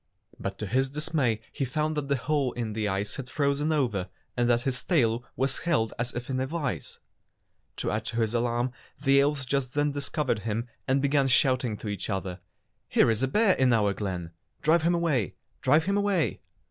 But to his dismay he found that the hole in the ice had frozen over, and that his tail was held as if in a vise. To add to his alarm the elves just then discovered him and began shouting to each other: "Here is a bear in our glen! Drive him away! Drive him away!"